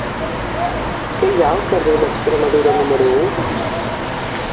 Què hi ha al carrer d'Extremadura número u?